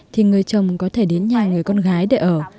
thì người chồng có thể đến nhà người con gái để ở